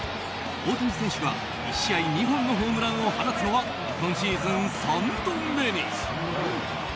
大谷選手が１試合２本のホームランを放つのは今シーズン、３度目に。